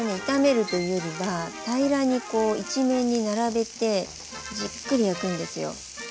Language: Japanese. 炒めるというよりは平らにこう一面に並べてじっくり焼くんですよ。